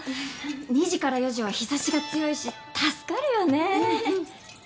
２時から４時は日差しが強いし助かるよね。